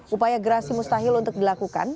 upaya gerasi mustahil untuk dilakukan